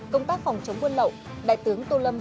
công tác phòng chống buôn lậu đại tướng tô lâm